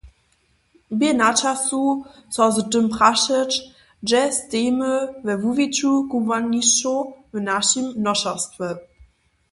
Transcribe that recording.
Bě načasu so za tym prašeć, hdźe stejimy we wuwiću kubłanišćow w našim nošerstwje.